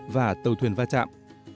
và tàu thuyền va chạm